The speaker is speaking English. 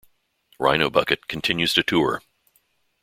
Rhino Bucket continues to tour.